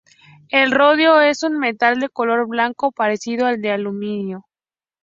El rodio es un metal de color blanco parecido al del aluminio.